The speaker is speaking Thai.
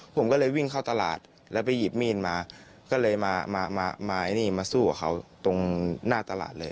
ผมก็เลยวิ่งเข้าตลาดแล้วไปหยิบมีดมาก็เลยมามานี่มาสู้กับเขาตรงหน้าตลาดเลย